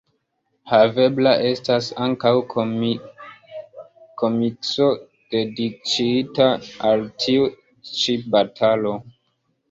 Havebla estas ankaŭ komikso dediĉita al tiu ĉi batalo.